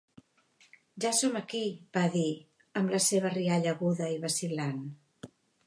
"Ja som aquí", va dir, amb la seva rialla aguda i vacil·lant.